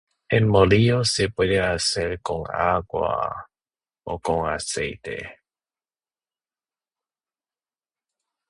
El molido se puede hacer en seco o con agua o aceite.